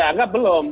saya anggap belum